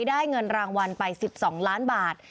ได้เงินรางวัลไป๑๒ล้านบาท